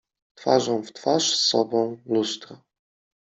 Twarzą w twarz z sobą: lustro.